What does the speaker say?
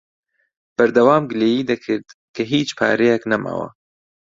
بەردەوام گلەیی دەکرد کە هیچ پارەیەک نەماوە.